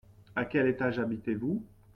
À quel étage habitez-vous ?